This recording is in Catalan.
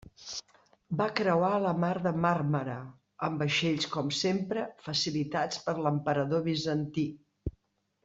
Va creuar la mar de Màrmara amb vaixells com sempre facilitats per l'emperador bizantí.